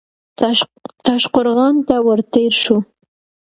تاشقرغان ته ور تېر شو.